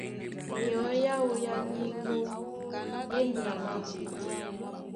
Nyɔ̌ ǎō yá nyíŋgó í e myaɓá.